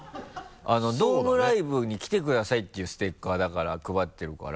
ドームライブに来てくださいっていうステッカーだから配ってるから。